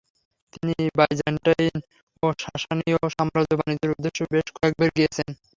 তিনি বাইজেন্টাইন ও সাসানীয় সাম্রাজ্যে বাণিজ্যের উদ্দেশ্যে বেশ কয়েকবার গিয়েছেন।